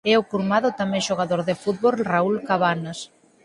É o curmán do tamén xogador de fútbol Raúl Cabanas.